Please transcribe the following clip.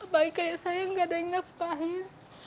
baik kayak saya nggak ada yang nafkah ya